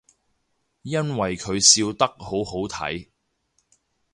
因為佢笑得好好睇